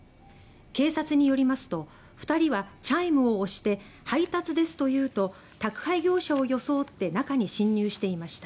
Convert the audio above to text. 警察によりますと２人はチャイムを押して配達ですと言うと宅配業者を装って中に侵入していました。